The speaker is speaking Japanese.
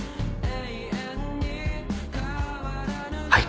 はい。